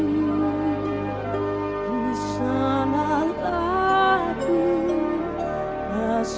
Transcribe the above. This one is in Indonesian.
di sana tak ku lupa ke